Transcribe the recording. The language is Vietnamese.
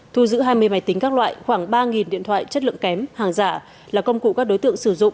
thu giữ hai mươi máy tính các loại khoảng ba điện thoại chất lượng kém hàng giả là công cụ các đối tượng sử dụng